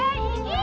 ah ini dia